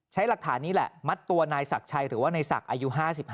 ใช้หลักฐานนี้แหละมัดตัวนายศักดิ์ชัยหรือว่านายศักดิ์อายุ๕๕